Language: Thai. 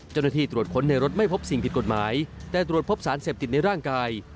ตรวจค้นในรถไม่พบสิ่งผิดกฎหมายแต่ตรวจพบสารเสพติดในร่างกาย